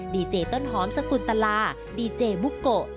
ดีเจต้นหอมสกุลตลาดีเจบุโกะ